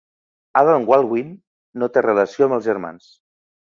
Adam Baldwin no té relació amb els germans.